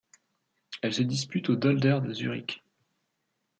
Elle se dispute au Dolder de Zurich.